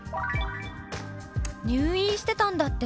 「入院してたんだって？